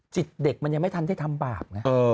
เด็กมันยังไม่ทันได้ทำบาปไง